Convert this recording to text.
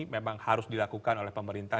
memang harus dilakukan oleh pemerintah